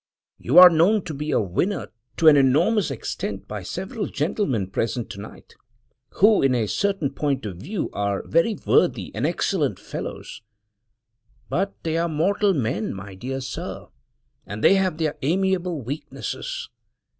You are known to be a winner to an enormous extent by several gentlemen present to night, who, in a certain point of view, are very worthy and excellent fellows; but they are mortal men, my dear sir, and they have their amiable weaknesses.